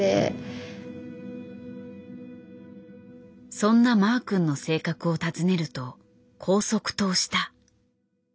そんなマー君の性格を尋ねるとこう即答した。